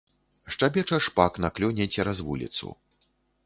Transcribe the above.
Шчабеча шпак на клёне цераз вуліцу.